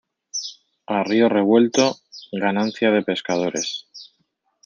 A río revuelto, ganancia de pescadores.